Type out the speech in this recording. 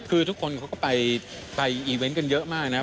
คือทุกคนเขาก็ไปอีเวนต์กันเยอะมากนะครับ